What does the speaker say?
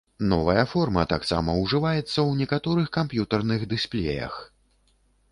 Новая форма таксама ўжываецца ў некаторых камп'ютарных дысплеях.